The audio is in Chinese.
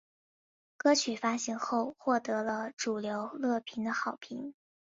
歌曲发行后获得了主流乐评的好评。